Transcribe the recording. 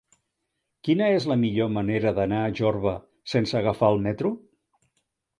Quina és la millor manera d'anar a Jorba sense agafar el metro?